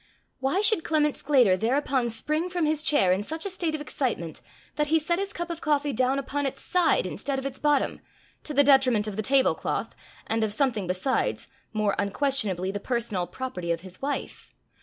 Why should Clement Sclater thereupon spring from his chair in such a state of excitement that he set his cup of coffee down upon its side instead of its bottom, to the detriment of the tablecloth, and of something besides, more unquestionably the personal property of his wife?